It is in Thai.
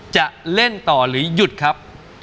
จะเล่นต่อหรือหยุดครับ